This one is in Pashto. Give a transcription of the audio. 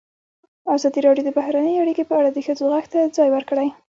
ازادي راډیو د بهرنۍ اړیکې په اړه د ښځو غږ ته ځای ورکړی.